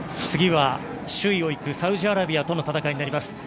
次は首位を行くサウジアラビアとの戦いです。